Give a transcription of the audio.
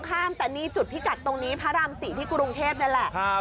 ข้ามแต่นี่จุดพิกัดตรงนี้พระราม๔ที่กรุงเทพนี่แหละ